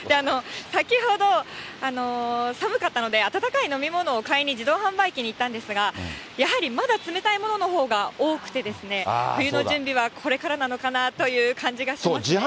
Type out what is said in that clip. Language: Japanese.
先ほど、寒かったので温かい飲み物を買いに、自動販売機に行ったんですが、やはりまだ冷たいもののほうが多くてですね、冬の準備はこれからなのかなという感じがしましたね。